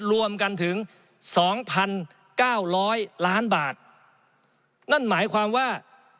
รวมกันถึง๒๙๐๐ล้านบาทนั่นหมายความว่า